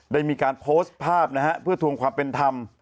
ได้มีการโพสต์ภาพนะฮะเพื่อทวงความเป็นธรรม